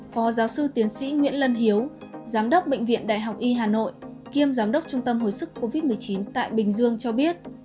phó giáo sư tiến sĩ nguyễn lân hiếu giám đốc bệnh viện đại học y hà nội kiêm giám đốc trung tâm hồi sức covid một mươi chín tại bình dương cho biết